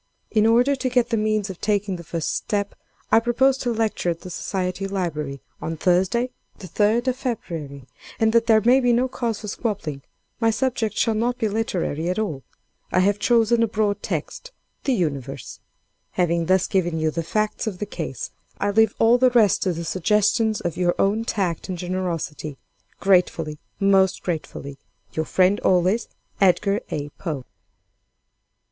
In order to get the means of taking the first step, I propose to lecture at the Society Library, on Thursday, the 3d of February, and, that there may be no cause of squabbling, my subject shall not be literary at all. I have chosen a broad text: 'The Universe.' "Having thus given you the facts of the case, I leave all the rest to the suggestions of your own tact and generosity. Gratefully, most gratefully, "Your friend always, "EDGAR A. POE."